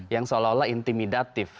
yang seolah olah intimidatif